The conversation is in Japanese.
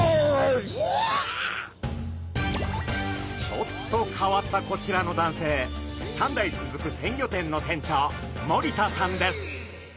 ちょっと変わったこちらの男性３代続く鮮魚店の店長森田さんです。